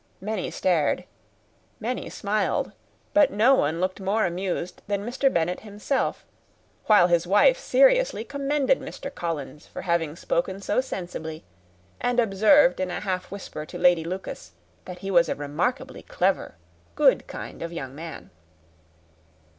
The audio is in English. Many stared many smiled; but no one looked more amused than Mr. Bennet himself, while his wife seriously commended Mr. Collins for having spoken so sensibly, and observed, in a half whisper to Lady Lucas, that he was a remarkably clever, good kind of young man.